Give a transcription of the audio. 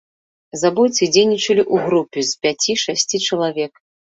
Забойцы дзейнічалі ў групе з пяці-шасці чалавек.